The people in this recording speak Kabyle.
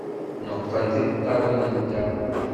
Neqqen tiṭṭawin-nteɣ.